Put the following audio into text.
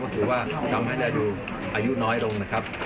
ถือว่าทำให้เราดูอายุน้อยลงนะครับ